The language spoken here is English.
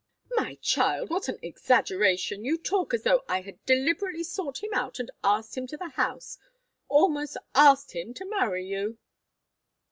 "My child, what an exaggeration! You talk as though I had deliberately sought him out and asked him to the house almost asked him to marry you."